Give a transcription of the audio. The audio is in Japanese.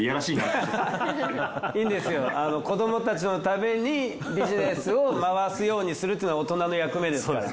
子どもたちのためにビジネスを回すようにするっていうのは大人の役目ですから。